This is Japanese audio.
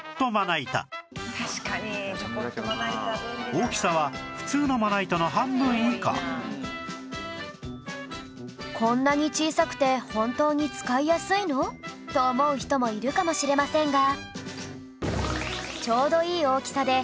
大きさは「こんなに小さくて本当に使いやすいの？」と思う人もいるかもしれませんが